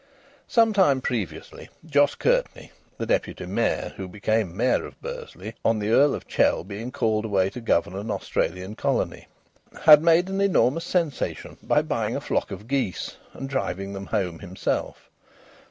Some time previously Jos Curtenty (the Deputy Mayor, who became Mayor of Bursley on the Earl of Chell being called away to govern an Australian colony) had made an enormous sensation by buying a flock of geese and driving them home himself.